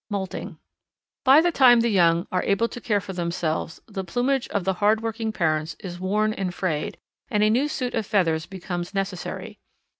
Moulting. By the time the young are able to care for themselves the plumage of the hard working parents is worn and frayed and a new suit of feathers becomes necessary.